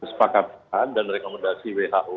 apakah ppkm ini dilanjutkan ataupun tidak